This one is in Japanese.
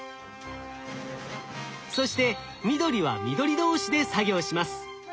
そして緑は緑同士で作業します。